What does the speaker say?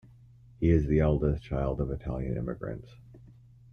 He is the eldest child of Italian immigrants.